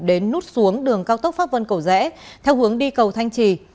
đến nút xuống đường cao tốc pháp vân cầu rẽ theo hướng đi cầu thanh trì